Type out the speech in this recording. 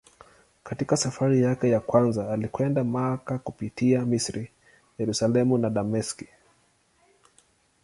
Katika safari yake ya kwanza alikwenda Makka kupitia Misri, Yerusalemu na Dameski.